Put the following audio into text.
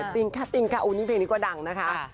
ติ้งค่าติ้งค่าอูนี่เพลงนี้กว่าดังนะคะ